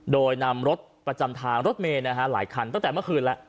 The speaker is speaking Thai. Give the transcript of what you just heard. โดยนำรถประจำทางรถเมย์หลายคันตั้งแต่เมื่อคืนแล้ว